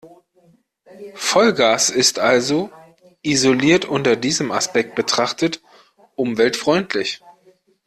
Vollgas ist also – isoliert unter diesem Aspekt betrachtet – umweltfreundlich.